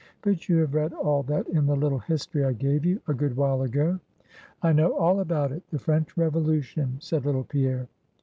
But you have read all that in the little history I gave you, a good while ago." "I know all about it; the French Revolution," said little Pierre.